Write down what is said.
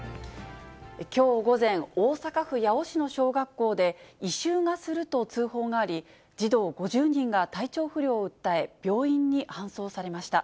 きょう午前、大阪府八尾市の小学校で、異臭がすると通報があり、児童５０人が体調不良を訴え、病院に搬送されました。